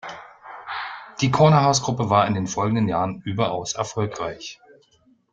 Die Cornerhaus-Gruppe war in den folgenden Jahren überaus erfolgreich.